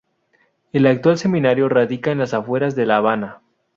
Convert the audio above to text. El actual Seminario radica en las afueras de La Habana.